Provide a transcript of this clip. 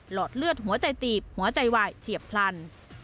อดเลือดหัวใจตีบหัวใจวายเฉียบพลัน